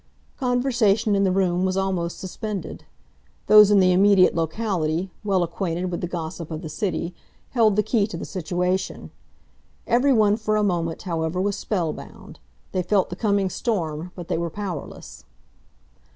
Conversation in the room was almost suspended. Those in the immediate locality, well acquainted with the gossip of the city, held the key to the situation. Every one for a moment, however, was spellbound. They felt the coming storm, but they were powerless.